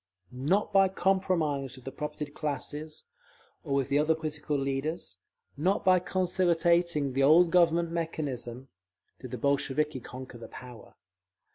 Not by compromise with the propertied classes, or with the other political leaders; not by conciliating the old Government mechanism, did the Bolsheviki conquer the power.